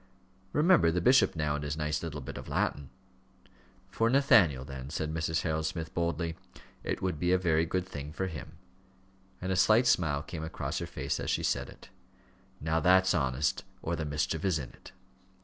Remember the bishop now and his nice little bit of Latin." "For Nathaniel then," said Mrs. Harold Smith, boldly. "It would be a very good thing for him." And a slight smile came across her face as she said it. "Now that's honest, or the mischief is in it."